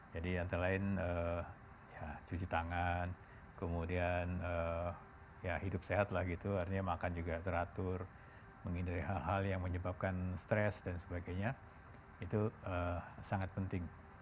jadi antara lain cuci tangan kemudian ya hidup sehat lah gitu artinya makan juga teratur menghindari hal hal yang menyebabkan stres dan sebagainya itu sangat penting